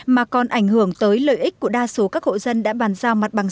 mà còn ảnh hưởng tới lợi ích của đa số các hộ dân đã bàn giao mặt bằng